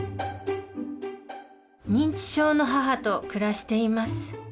認知症の母と暮らしています。